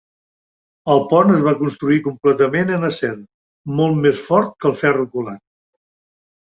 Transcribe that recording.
El pont es va construir completament en acer, molt més fort que el ferro colat.